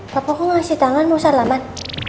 papa aku ngasih tangan mau salaman